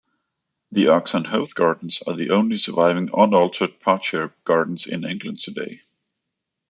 The Oxon Hoath gardens are the only surviving unaltered parterre gardens in England today.